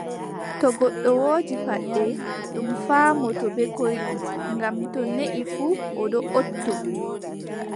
To goɗɗo woodi paɗɗe, ɗum faamotoo bee koyɗum, ngam to neei fuu, o do"otoo,